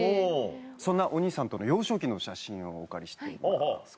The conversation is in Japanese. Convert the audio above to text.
そんなお兄さんとの幼少期の写真をお借りしています。